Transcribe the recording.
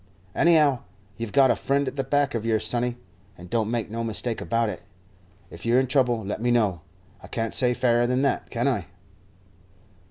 "Anyhow, you've got a friend at the back of yer, sonny, and don't make no mistake about it. If you're in trouble let me know. I can't say fairer than that, can I?"